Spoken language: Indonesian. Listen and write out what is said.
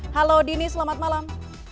halo dini selamat malam